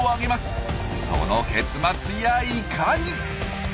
その結末やいかに！？